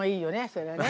そりゃね。